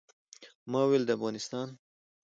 ما ویل د افغانستان.